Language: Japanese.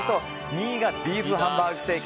２位がビーフハンバーグステーキ。